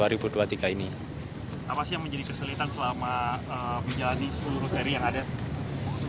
apa sih yang menjadi kesulitan selama menjalani seluruh seri yang ada